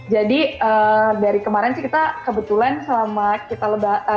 jadi dari kemarin sih kita kebetulan selama kita lebat